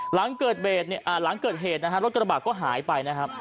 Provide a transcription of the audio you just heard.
หลังเกิดเหตุรถกระบะก็หายไป